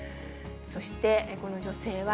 そしてこの女性は、